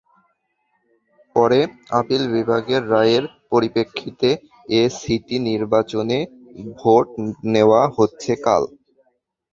পরে আপিল বিভাগের রায়ের পরিপ্রেক্ষিতে এ সিটি নির্বাচনে ভোট নেওয়া হচ্ছে কাল।